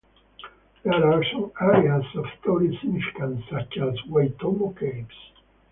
There are some areas of tourist significance, such as Waitomo Caves.